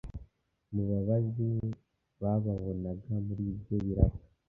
mu babazi bababonaga muri ibyo biraka